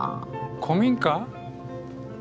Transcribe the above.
古民家？